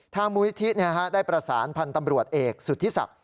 มูลนิธิได้ประสานพันธ์ตำรวจเอกสุธิศักดิ